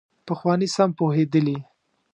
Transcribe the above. پخواني سم پوهېدلي.